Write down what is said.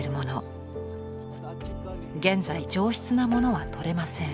現在上質なものはとれません。